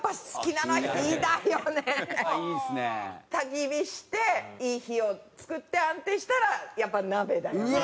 焚き火していい火を作って安定したらやっぱり鍋だよね。